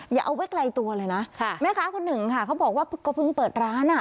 อย่าเอาไว้ไกลตัวเลยนะค่ะแม่ค้าคนหนึ่งค่ะเขาบอกว่าก็เพิ่งเปิดร้านอ่ะ